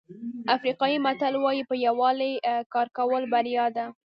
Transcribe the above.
افریقایي متل وایي په یووالي کار کول بریا ده.